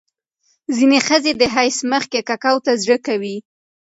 ځینې ښځې د حیض مخکې ککو ته زړه کوي.